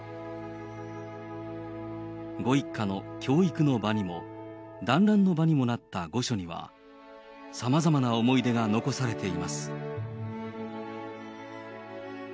ご一家の教育の場にも、団らんの場にもなった御所には、さまざまな思い出が残されています。